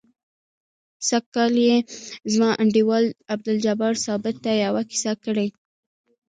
سږ کال یې زما انډیوال عبدالجبار ثابت ته یوه کیسه کړې.